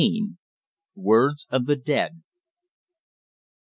WORDS OF THE DEAD.